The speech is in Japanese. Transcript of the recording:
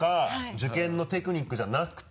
受験のテクニックじゃなくて。